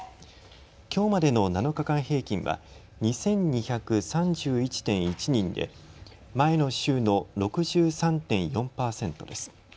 きょうまでの７日間平均は２２３１．１人で前の週の６３．４％です。